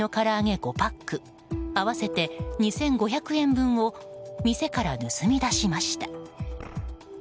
５パック合わせて２５００円分を店から盗み出しました。